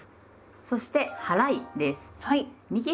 そして「はらい」です。